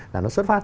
là nó xuất phát ra